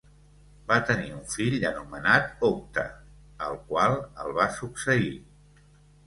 Va tenir un fill anomenat Octa, el qual el va succeir.